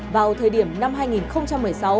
vào thời điểm năm hai nghìn một mươi sáu